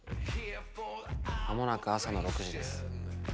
間もなく朝の６時です。